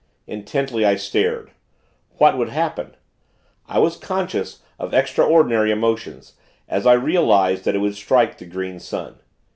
Intently, I stared. What would happen? I was conscious of extraordinary emotions, as I realized that it would strike the Green Sun.